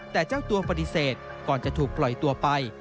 แต่เจ้าตัวปฏิเสธก่อนจะถูกปล่อยตัวไป